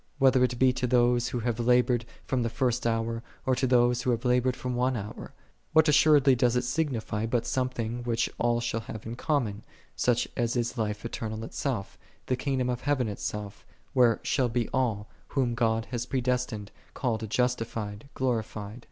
whether it be to those who have labored from the first hour, or to those who have labored one hour ?' What assuredly doth it signify, but something, which all shall have in common, such as is life eternal itself, the kingdom of heaven itself, where shall be all, whom God hath predestinated, called, justi fied, glorified?